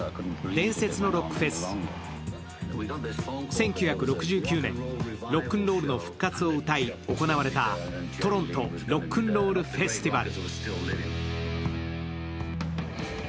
１９６９年ロックンロールの復活をうたい行われたトロント・ロックンロール・フェスティバル。